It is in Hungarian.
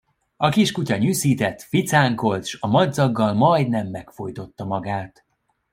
A kiskutya nyüszített, ficánkolt, s a madzaggal majdnem megfojtotta magát.